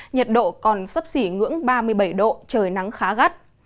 nhiệt độ còn sấp xỉ ngưỡng ba mươi bảy độ trời nắng khá gắt